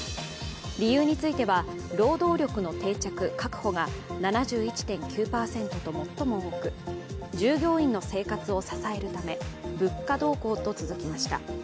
理由については労働力の定着・確保が７１．９％と最も多く従業員の生活を支えるため、物価動向と続きました。